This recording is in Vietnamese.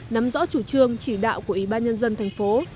nắm rõ chủ trương chỉ đạo của ủy ban nhân dân thành phố